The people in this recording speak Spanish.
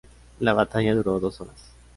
La batalla duró dos horas.